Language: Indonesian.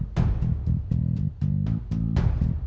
pati gue dari mana tadi